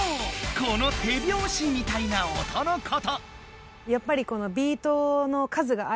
この手拍子みたいな音のこと！